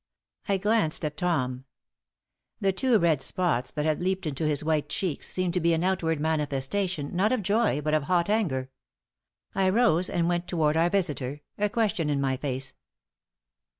I glanced at Tom. The two red spots that had leaped into his white cheeks seemed to be an outward manifestation, not of joy but of hot anger. I rose and went toward our visitor, a question in my face.